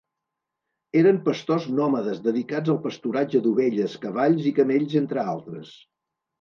Eren pastors nòmades dedicats al pasturatge d'ovelles, cavalls i camells entre altres.